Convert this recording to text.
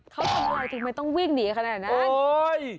เข้าให้เหล่าถึงไม่ต้องวิ่งหนีขนาดนั้น